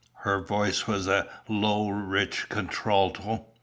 her voice was a low, rich contralto.